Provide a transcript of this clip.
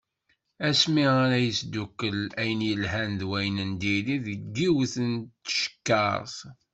Asmi ara yesdukkel ayen yelhan d wayen n diri deg yiwet n tcekkart.